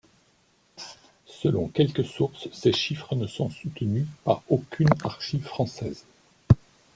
Selon quelques sources, ces chiffres ne sont soutenus par aucune archive française.